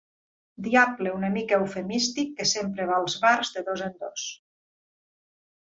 Diable una mica eufemístic que sempre va als bars de dos en dos.